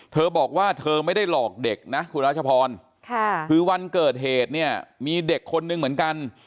เธอบอกว่าเธอไม่ได้หลอกเด็กนะคุณรัชพรคือวันเกิดเหตุเนี่ยมีเด็กคนนึงเหมือนกัน